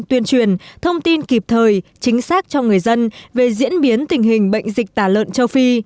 tuyên truyền thông tin kịp thời chính xác cho người dân về diễn biến tình hình bệnh dịch tả lợn châu phi